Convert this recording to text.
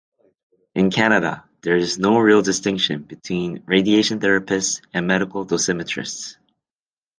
In Canada, there is no real distinction between Radiation Therapists and Medical Dosimetrists.